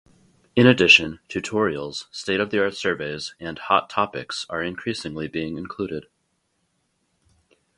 In addition, tutorials, state-of-the-art surveys and "hot topics" are increasingly being included.